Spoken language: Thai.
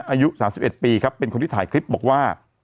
อายุสามสิบเอ็ดปีครับเป็นคนที่ถ่ายคลิปบอกว่า